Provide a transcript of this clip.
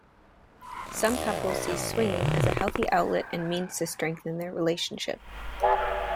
Some couples see swinging as a healthy outlet and means to strengthen their relationship.